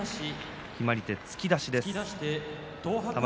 決まり手は突き出しです。